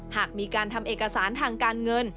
หากมีการทำเอกสารทางการเงิน